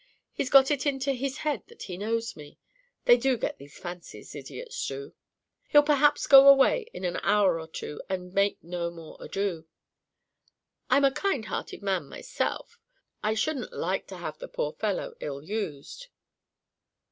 He's got it into his head that he knows me—they do get these fancies, idiots do. He'll perhaps go away again in an hour or two, and make no more ado. I'm a kind hearted man myself—I shouldn't like to have the poor fellow ill used."